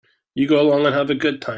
You go along and have a good time.